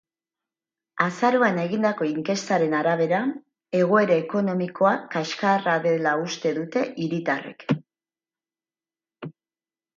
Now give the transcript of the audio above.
Azaroan egindako inkestaren arabera, egoera ekonomikoa kaskarra dela uste dute hiritarrek.